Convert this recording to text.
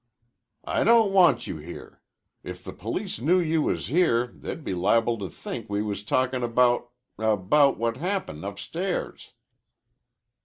"I don't want you here. If the police knew you was here, they'd be liable to think we was talkin' about about what happened upstairs."